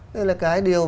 đây là cái điều